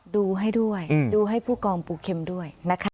ดูให้ด้วยดูให้ผู้กองปูเข็มด้วยนะคะ